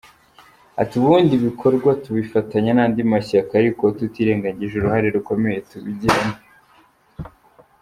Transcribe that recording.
Ati “ Ubundi ibikorwa tubifatanya n’andi mashyaka, ariko tutirengagije uruhare rukomeye tubigiramo.